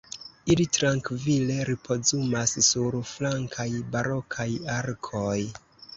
Ili trankvile ripozumas sur flankaj barokaj arkoj.